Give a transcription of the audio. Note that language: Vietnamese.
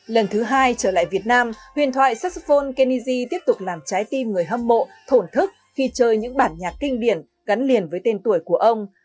lần thứ hai trở lại việt nam huyền thoại saxophone kennedy tiếp tục làm trái tim người hâm mộ thổn thức khi chơi những bản nhạc kinh điển gắn liền với tên tuổi của ông